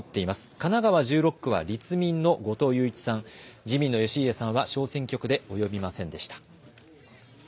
神奈川１６区は立民の後藤祐一さん、自民の義家さんは小選挙区で及びませんでした。